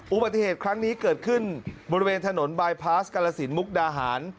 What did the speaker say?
อุบัติเหตุครั้งนี้เกิดขึ้นบริเวณถนนบายพาสกาลสินมุกดาหาร